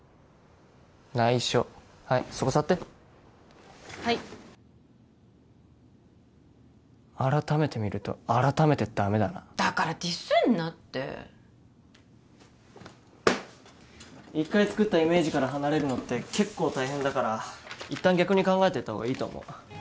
内緒はいそこ座ってはい改めて見ると改めてダメだなだからディスんなって一回作ったイメージから離れるのって結構大変だからいったん逆に考えてった方がいいと思う